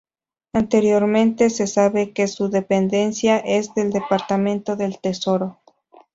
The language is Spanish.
Anteriormente, se sabe que su dependencia es del Departamento del Tesoro.